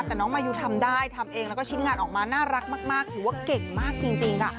แต่น้องมายูทำได้ทำเองแล้วก็ชิ้นงานออกมาน่ารักมากถือว่าเก่งมากจริงค่ะ